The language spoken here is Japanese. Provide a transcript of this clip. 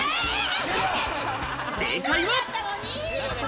正解は。